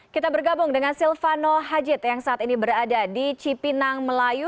kita bergabung dengan silvano hajid yang saat ini berada di cipinang melayu